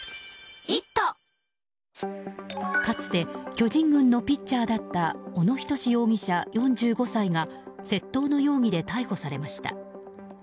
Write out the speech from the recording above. かつて巨人軍のピッチャーだった小野仁容疑者、４５歳が窃盗の容疑で逮捕されました。